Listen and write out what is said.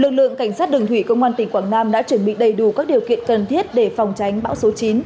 lực lượng cảnh sát đường thủy công an tỉnh quảng nam đã chuẩn bị đầy đủ các điều kiện cần thiết để phòng tránh bão số chín